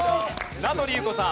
名取裕子さん。